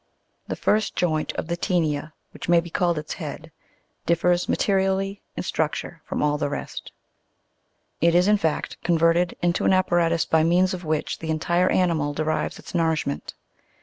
The first joint of the Tse'nia, which may be called its head, differs materially in structure from all the rest; it is in fact converted into an apparatus by means of which the entire animal derives its nourishment.